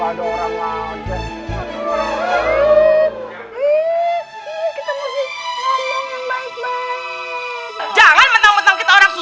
bang bang eh kenapa lu jadi menang gini